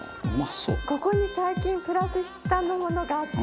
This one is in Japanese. ここに最近プラスしたものがあって。